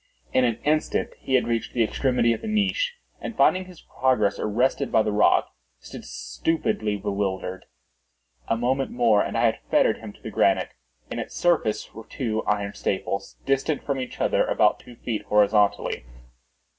In an instant he had reached the extremity of the niche, and finding his progress arrested by the rock, stood stupidly bewildered. A moment more and I had fettered him to the granite. In its surface were two iron staples, distant from each other about two feet, horizontally.